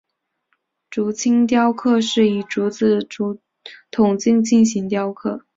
竹青雕刻是以竹子筒茎进行雕刻。